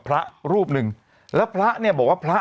ไปหมอปลาย